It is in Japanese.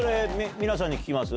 皆さんに聞きます？